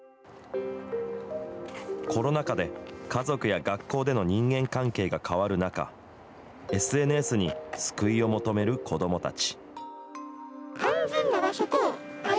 コロナ禍で家族や学校での人間関係が変わる中、ＳＮＳに救いを求める子どもたち。